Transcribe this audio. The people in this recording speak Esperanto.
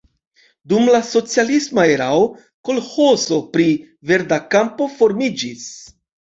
Dum la socialisma erao kolĥozo pri Verda Kampo formiĝis.